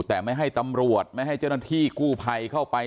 แต่ไม่ให้ตำรวจไม่ให้เจ้าหน้าที่กู้ภัยเข้าไป